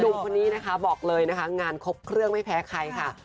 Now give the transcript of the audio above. หนุ่มคนนี้นะคะบอกเลยนะคะงานครบเครื่องไม่แพ้ใครค่ะ